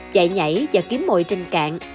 chạy nhảy và kiếm mồi trên cạn